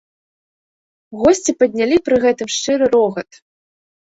Госці паднялі пры гэтым шчыры рогат.